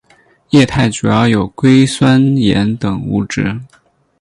液态主要有硅酸盐等物质。